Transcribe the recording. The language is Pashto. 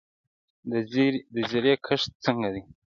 د زیرې کښت څنګه دی؟